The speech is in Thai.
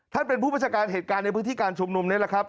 เป็นผู้บัญชาการเหตุการณ์ในพื้นที่การชุมนุมนี่แหละครับ